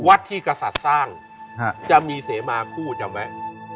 วัดที่กษัตริย์สร้างจะมีเสมาคู่จำไว้